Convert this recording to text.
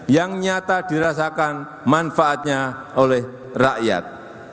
yang nyata dirasakan manfaatnya oleh rakyat